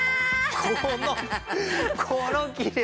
このこの切れ味！